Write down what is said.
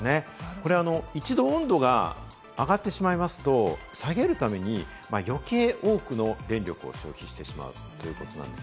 これ一度、温度が上がってしまいますと、下げるために余計多くの電力を消費してしまうということなんです。